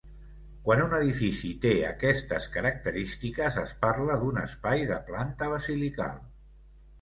Quan un edifici té aquestes característiques, es parla d'un espai de planta basilical.